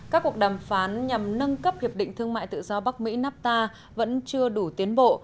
các cuộc đàm phán nhằm nâng cấp hiệp định thương mại tự do bắc mỹ nafta vẫn chưa đủ tiến bộ